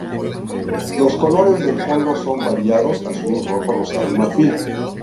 Los colores del fondo son variados: azul, rojo rosado y marfil.